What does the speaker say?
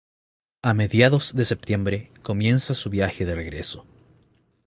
A mediados de septiembre comienza su viaje de regreso.